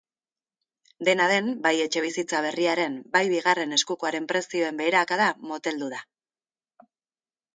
Dena den, bai etxebizitza berriaren bai bigarren eskukoaren prezioen beherakada moteldu da.